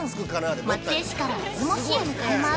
松江市から出雲市へ向かいます。